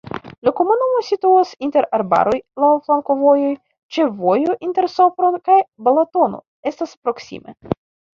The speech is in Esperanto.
La komunumo situas inter arbaroj, laŭ flankovojoj, ĉefvojo inter Sopron kaj Balatono estas proksime.